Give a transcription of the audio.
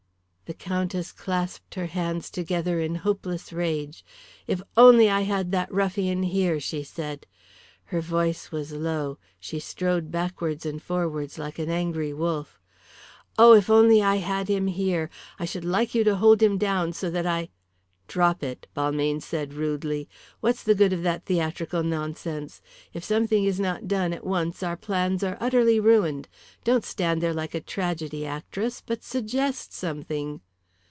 The Countess clasped her hands together in hopeless rage. "If I only had that ruffian here!" she said. Her voice was low, she strode backwards and forwards like an angry wolf. "Oh, if I only had him here! I should like you to hold him down so that I " "Drop it," Balmayne said rudely. "What's the good of that theatrical nonsense? If something is not done at once our plans are utterly ruined. Don't stand there like a tragedy actress, but suggest something."